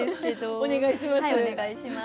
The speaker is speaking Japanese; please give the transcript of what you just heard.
お願いします。